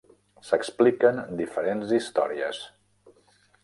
S'expliquen diferents històries.